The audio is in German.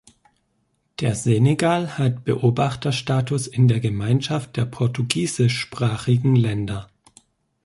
Der Senegal hat Beobachterstatus in der Gemeinschaft der Portugiesischsprachigen Länder.